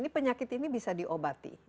penyakit ini bisa diobati